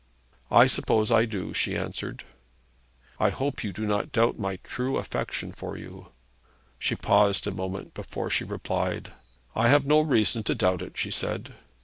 'I suppose I do,' she answered. 'I hope you do not doubt my true affection for you.' She paused a moment before she replied. 'I have no reason to doubt it,' she said.